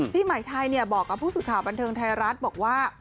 พี่หมายไทยบอกกับผู้สื่อข่าวบันเทิงไทยรัฐบอกว่า